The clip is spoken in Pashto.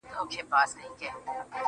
خو ما د لاس په دسمال ووهي ويده سمه زه.